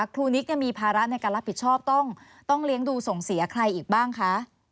นิกมีภาระในการรับผิดชอบต้องเลี้ยงดูส่งเสียใครอีกบ้างคะ